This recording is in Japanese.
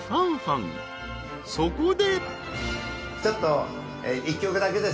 ［そこで］